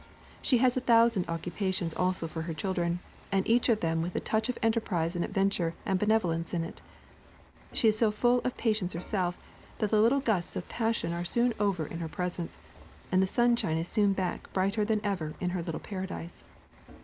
She has a thousand occupations also for her children, and each of them with a touch of enterprise and adventure and benevolence in it. She is so full of patience herself, that the little gusts of passion are soon over in her presence, and the sunshine is soon back brighter than ever in her little paradise.